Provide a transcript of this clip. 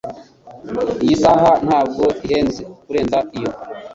Iyi saha ntabwo ihenze kurenza iyo.